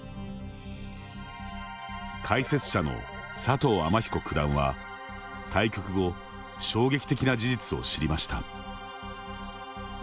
解説者の佐藤天彦九段は対局後衝撃的な事実を知りました。